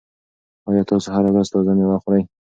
آیا تاسو هره ورځ تازه مېوه خورئ؟